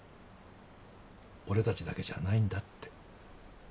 俺たちだけじゃないんだって。